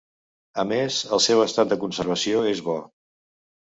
A més, el seu estat de conservació és bo.